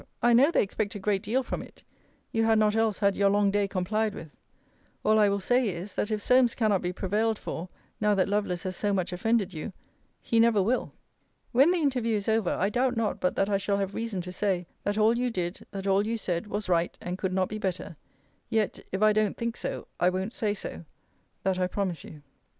I know they expect a great deal from it: you had not else had your long day complied with. All I will say is, That if Solmes cannot be prevailed for, now that Lovelace has so much offended you, he never will. When the interview is over, I doubt not but that I shall have reason to say, that all you did, that all you said, was right, and could not be better: yet, if I don't think so, I won't say so; that I promise you.